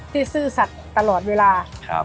ซื่อสัตว์ตลอดเวลา